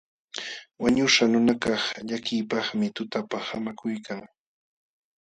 Wañuśhqa nunakaq llakiypaqmi tutapa haamakuykan.